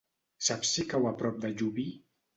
Saps si cau a prop de Llubí?